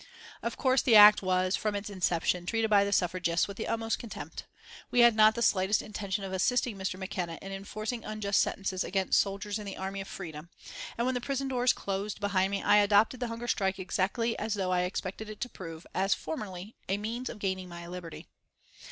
Of course the Act was, from its inception, treated by the suffragists with the utmost contempt. We had not the slightest intention of assisting Mr. McKenna in enforcing unjust sentences against soldiers in the army of freedom, and when the prison doors closed behind me I adopted the hunger strike exactly as though I expected it to prove, as formerly, a means of gaining my liberty.